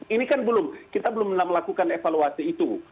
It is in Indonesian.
ini kan belum kita belum melakukan evaluasi itu